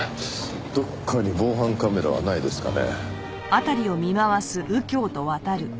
どっかに防犯カメラはないですかね？